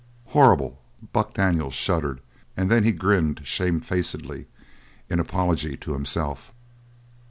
Horrible! Buck Daniels shuddered and then he grinned shamefacedly in apology to himself.